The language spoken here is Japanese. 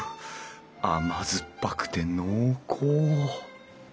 甘酸っぱくて濃厚。